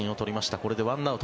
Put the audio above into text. これで１アウト。